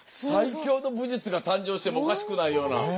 最強の武術が誕生してもおかしくないような。